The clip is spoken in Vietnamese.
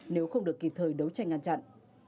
nếu không được kịp thời đấu tranh ngăn chặn